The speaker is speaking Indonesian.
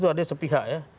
itu ada sepihak ya